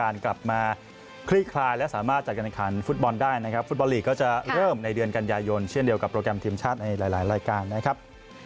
เราจะเริ่มในเดือนกันยายนเช่นเดียวกับโปรแกรมทีมชาติในหลายรายการนะครับ